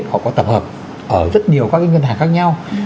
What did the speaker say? họ có tập hợp ở rất nhiều các ngân hàng khác nhau